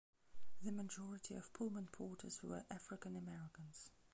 The majority of Pullman Porters were African Americans.